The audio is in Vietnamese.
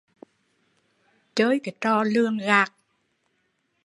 Chơi cái trò lường gạt